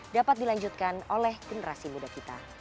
dapat dilanjutkan oleh generasi muda kita